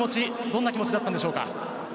どんな気持ちだったんでしょうか。